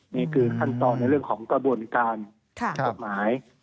นี่คือขั้นตอนในเรื่องของกระบวนการกฎหมาย